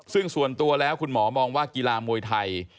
ซึ่งส่วนตัวแล้วคุณหมอมองว่ากีฬามวยไทย